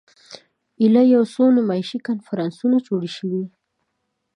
ایله یو څو نمایشي کنفرانسونه جوړ شوي.